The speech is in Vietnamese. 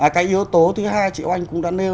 cái yếu tố thứ hai chị oanh cũng đã nêu